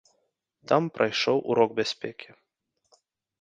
Там прайшоў урок бяспекі.